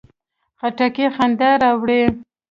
خټکی خندا راوړي.